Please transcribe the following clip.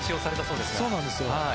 そうなんですよ。